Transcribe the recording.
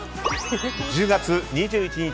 １０月２１日